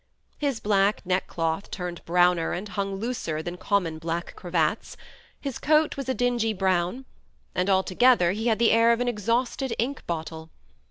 His black neckcloth turned browner, and hung looser than common black cravats ; his coat was a dingy brown, — and, altogether, he had the air of an exhausted ink bottle.